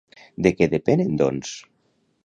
De què depenen, doncs?